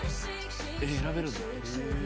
「えっ選べるんだ」